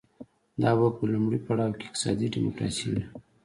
دا به په لومړي پړاو کې اقتصادي ډیموکراسي وي